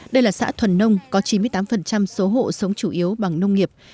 đây là xã thuần nông có chín mươi tám số hộ sống chủ yếu bằng nông nghiệp